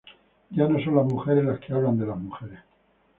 Ya no son las mujeres las que hablan de las mujeres.